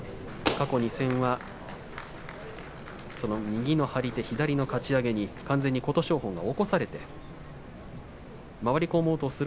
過去２戦は右の張り手、左のかち上げに完全に琴勝峰、起こされています。